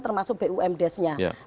termasuk bum desnya